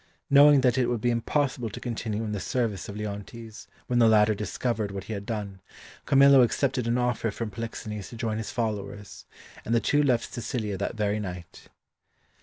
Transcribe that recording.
Knowing that it would be impossible to continue in the service of Leontes when the latter discovered what he had done, Camillo accepted an offer from Polixenes to join his followers, and the two left Sicilia that very night.